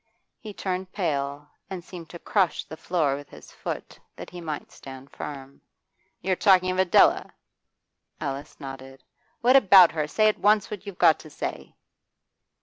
He turned pale, and seemed to crush the floor with his foot, that he might stand firm. 'You're talking of Adela?' Alice nodded. 'What about her? Say at once what you've got to say.